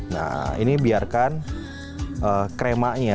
nah ini biarkan kremanya